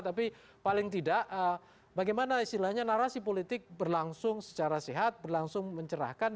tapi paling tidak bagaimana istilahnya narasi politik berlangsung secara sehat berlangsung mencerahkan